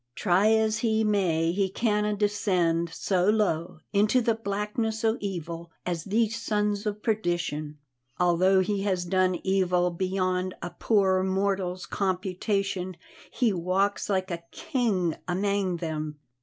Try as he may, he canna descend so low into the blackness o' evil as these sons o' perdition. Although he has done evil beyond a poor mortal's computation, he walks like a king amang them.